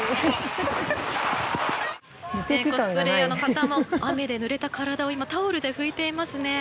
コスプレーヤーの方も雨でぬれた体を今タオルで拭いていますね。